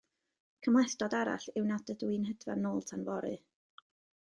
Cymhlethdod arall yw nad ydw i'n hedfan nôl tan fory.